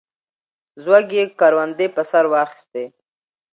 زوږ یې کروندې په سر واخیستې.